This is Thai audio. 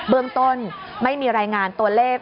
เรื่องต้นไม่มีรายงานตัวเลข